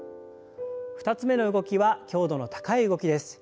２つ目の動きは強度の高い動きです。